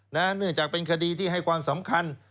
เนื่องจากเป็นคดีที่ให้ความสำคัญ